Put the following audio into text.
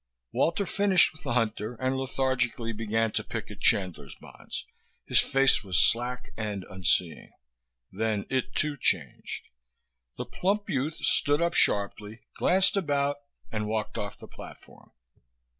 Walter finished with the hunter and lethargically began to pick at Chandler's bonds. His face was slack and unseeing. Then it, too, changed. The plump youth stood up sharply, glanced about, and walked off the platform.